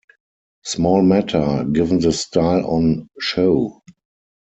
Small matter, given the style on show.